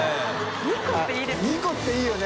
水卜）２個っていいですね。